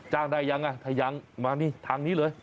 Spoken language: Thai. ได้ยังอ่ะถ้ายังมานี่ทางนี้เลย